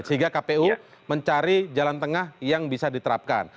sehingga kpu mencari jalan tengah yang bisa diterapkan